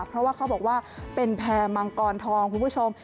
เพราะว่าเขาบอกว่าเป็นแพร่มังกรทองคุณผู้ชม